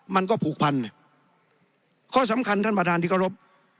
มันก็ผูกพันข้อสำคัญท่านประธานที่เคารพ